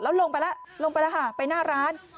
แล้วลงไปแล้วลงไปแล้วค่ะไปหน้าร้าน